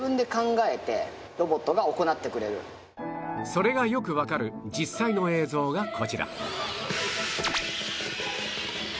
それがよくわかる実際の映像がこちら